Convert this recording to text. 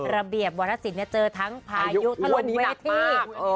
ระเบียบวัฒนศีลจะเจอทั้งพายุตลงเวที